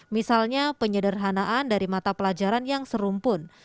misalnya penyederhanaan dari mata pelajaran yang serumpun